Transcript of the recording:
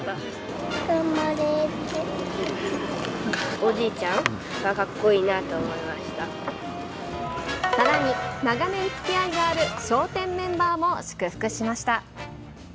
おじいちゃんがかっこいいなさらに、長年つきあいがある笑点メンバーも祝福しました。